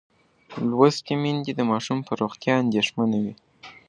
لوستې میندې د ماشوم پر روغتیا اندېښمنه وي.